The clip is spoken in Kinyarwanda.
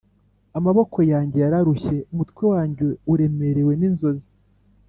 amaboko yanjye yararushye, umutwe wanjye uremerewe n'inzozi -